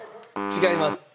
違います。